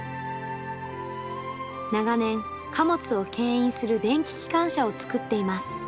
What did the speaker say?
長年貨物をけん引する電気機関車を作っています。